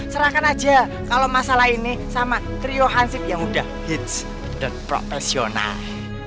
serahkan aja kalau masalah ini sama trio hansif yang udah hits dan profesional